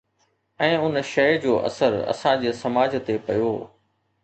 ۽ ان شيءِ جو اثر اسان جي سماج تي پيو